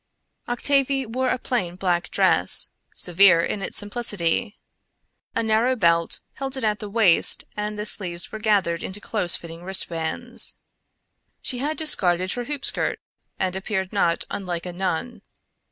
Octavie wore a plain black dress, severe in its simplicity. A narrow belt held it at the waist and the sleeves were gathered into close fitting wristbands. She had discarded her hoopskirt and appeared not unlike a nun.